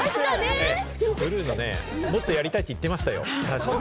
ブルーノね、もっとやりたいと言っていましたよ、確か。